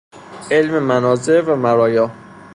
علم مناظر و مرایا